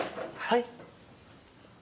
はい。